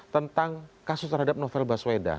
tentang kasus terhadap novel baswedan